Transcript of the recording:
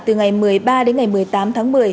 từ ngày một mươi ba đến ngày một mươi tám tháng một mươi